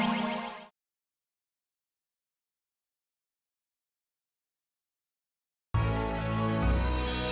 dede kan bisa pulang sendiri